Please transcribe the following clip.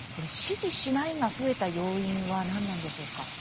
支持しないが増えた要因は何なんでしょうか。